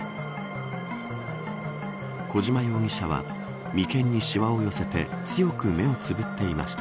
小島容疑者は眉間にしわを寄せて強く目をつぶっていました。